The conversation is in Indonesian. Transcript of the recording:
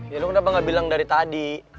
ya lo kenapa gak bilang dari tadi